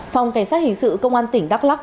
phòng cảnh sát hình sự công an tỉnh đắk lắc